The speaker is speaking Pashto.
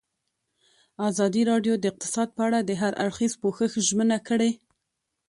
ازادي راډیو د اقتصاد په اړه د هر اړخیز پوښښ ژمنه کړې.